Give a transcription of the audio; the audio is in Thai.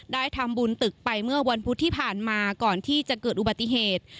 ได้ทำบุญตึกไปเมื่อวันพุธที่ผ่านมาก่อนที่จะเกิดอุบัติเหตุ